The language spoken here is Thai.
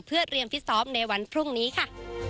เพื่อเตรียมฟิตซ้อมในวันพรุ่งนี้ค่ะ